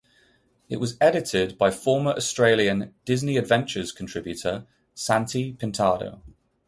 It was edited by former Australian "Disney Adventures" contributor, Santi Pintado.